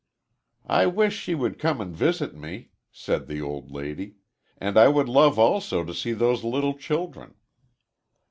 "I wish she would come and visit me," said the old lady. "And I would love also to see those little children."